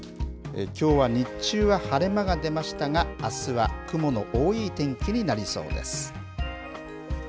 きょうは日中は晴れ間が出ましたが、あすは雲の多い天気になりそうです。